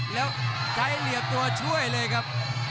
แล้วใช้เหลี่ยมตัวช่วยเลยครับ